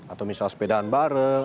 atau misalnya sepedaan bareng